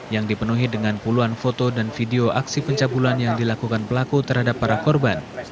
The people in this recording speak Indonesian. yang dipenuhi dengan puluhan foto dan video aksi pencabulan yang dilakukan pelaku terhadap para korban